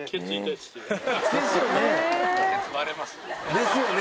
ですよね。